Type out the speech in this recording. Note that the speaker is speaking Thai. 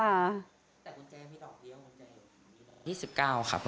แต่กุญแจไม่รอดเดียวกุญแจอยู่ที่นี่หรอ